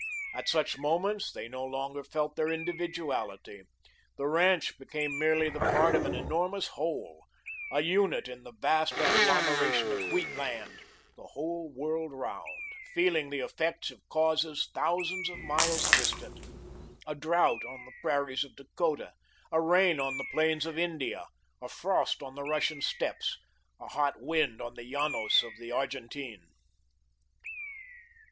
At such moments they no longer felt their individuality. The ranch became merely the part of an enormous whole, a unit in the vast agglomeration of wheat land the whole world round, feeling the effects of causes thousands of miles distant a drought on the prairies of Dakota, a rain on the plains of India, a frost on the Russian steppes, a hot wind on the llanos of the Argentine.